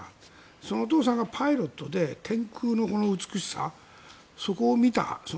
そのお父さんがパイロットで天空の美しさそこを見た。